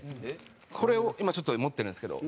これを今ちょっと持ってるんですけど。